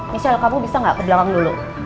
misal kamu bisa gak ke belakang dulu